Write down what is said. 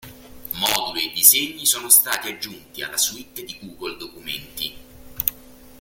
Moduli e Disegni sono stati aggiunti alla suite di Google Documenti.